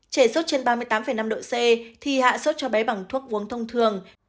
trẻ sốt trên ba mươi tám năm độ c thì hạ sốt cho bé bằng thuốc uống thông thường